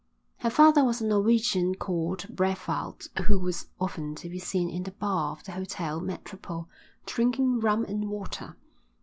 Her father was a Norwegian called Brevald who was often to be seen in the bar of the Hotel Metropole drinking rum and water.